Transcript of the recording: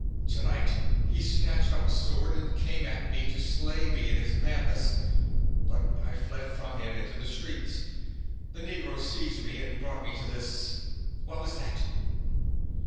Tonight he snatched up a sword and came at me to slay me in his madness, but I fled from him into the streets. The negroes seized me and brought me to this _what was that?